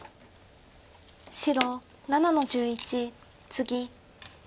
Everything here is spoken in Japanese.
白７の十一ツギ。